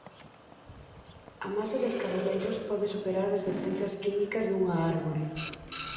A masa de escaravellos pode superar as defensas químicas dunha árbore.